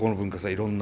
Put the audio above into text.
いろんな。